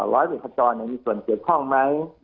ร้อยสุดท้ายของมีส่วนเกิดข้องไหม